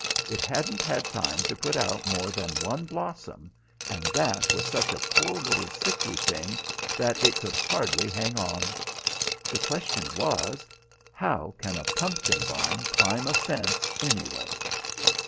It hadn't had time to put out more than one blossom, and that was such a poor little sickly thing that it could hardly hang on. The question was, How can a pumpkin vine climb a fence, anyway?